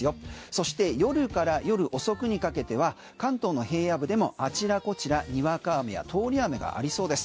そして夜から夜遅くにかけては関東の平野部でもあちらこちらににわか雨や通り雨がありそうです。